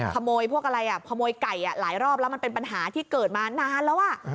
ขโมยพวกอะไรอ่ะขโมยไก่หลายรอบแล้วมันเป็นปัญหาที่เกิดมานานแล้ว